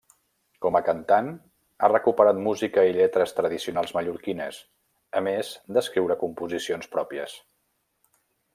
Com a cantant, ha recuperat música i lletres tradicionals mallorquines, a més d'escriure composicions pròpies.